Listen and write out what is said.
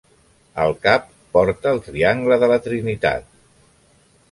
Al cap, porta el triangle de la Trinitat.